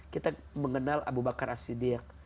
kita mengenal abu bakar asyidiyah